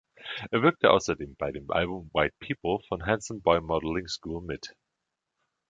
Er wirkte außerdem bei dem Album „White People“ von Handsome Boy Modeling School mit.